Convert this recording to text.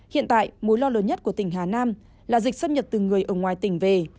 hiện tại mối lo lớn nhất của tỉnh hà nam là dịch xâm nhập từ người ở ngoài tỉnh về